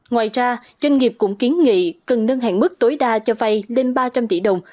ngoài ra doanh nghiệp cũng kiến nghị cần nâng hạng mức tối đa cho vay lên ba trăm linh tỷ đồng